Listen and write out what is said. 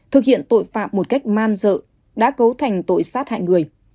thực hiện tội phạm một cách man dợ đã cấu thành tội sát hại người